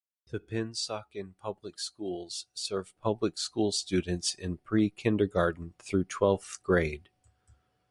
The Pennsauken Public Schools serve public school students in pre-kindergarten through twelfth grade.